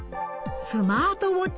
スマートウォッチ。